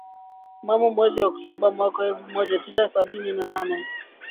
Mnamo mwezi Oktoba mwaka elfu moja mia tisa sabini na nane